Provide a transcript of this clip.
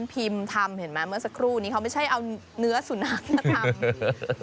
พิมพ์ทำเห็นไหมเมื่อสักครู่นี้เขาไม่ใช่เอาเนื้อสุนัขมาทำ